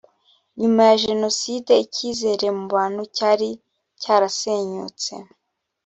nyuma ya jenoside icyizere mu bantu cyari cyarasenyutse